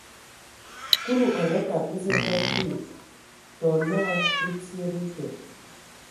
Kulu a kadag e zen ba akii, tɔ ana bə tie, bə kə.